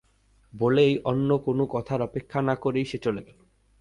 বলেই অন্য কোনো কথার অপেক্ষা না করেই সে চলে গেল।